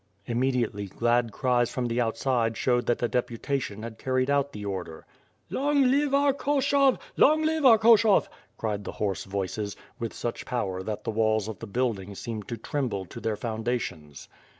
Immediately glad cries frrni the outside showed that the deputation had carried out the order. WITR FIRE AND SWORD. j^^ "Long live our Koshov! Long live our Koshov!^^ cried the hoarse voices, with such power that the walls of the building stcHied to tremble to their foundations.